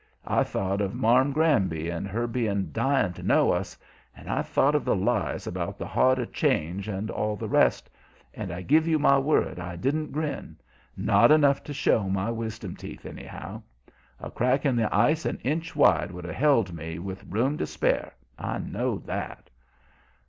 I thought of Marm Granby, and her being "dying to know us," and I thought of the lies about the "hod of change" and all the rest, and I give you my word I didn't grin, not enough to show my wisdom teeth, anyhow. A crack in the ice an inch wide would have held me, with room to spare; I know that.